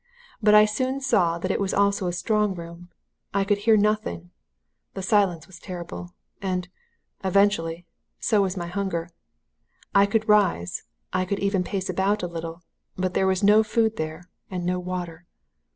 But I soon saw that it was also a strong room. I could hear nothing the silence was terrible. And eventually so was my hunger. I could rise I could even pace about a little but there was no food there and no water.